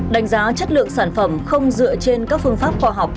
đánh giá chất lượng sản phẩm không dựa trên các phương pháp khoa học